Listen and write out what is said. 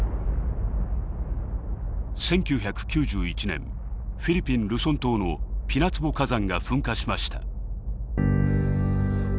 １９９１年フィリピン・ルソン島のピナツボ火山が噴火しました。